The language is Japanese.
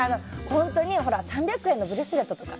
本当に３００円のブレスレットとか。